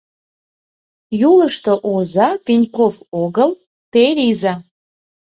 Юлышто оза Пеньков огыл, те лийза.